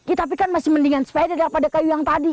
tetapi kan masih mendingan sepeda daripada kayu yang tadi